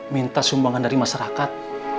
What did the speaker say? minta sumbangan dari masyarakat